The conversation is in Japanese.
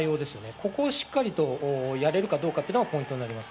ここをしっかりとやれるかどうかがポイントになります。